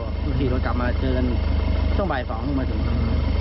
แล้วก็ถือฝั่งก็กลับมาเจอกันช่องใหว่าสองเมื่อสุด